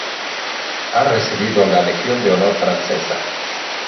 Ha recibido la Legión de Honor francesa.